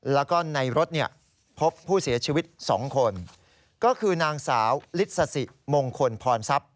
แล้วก็ในรถเนี่ยพบผู้เสียชีวิต๒คนก็คือนางสาวลิสสิมงคลพรทรัพย